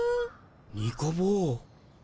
ニコ坊。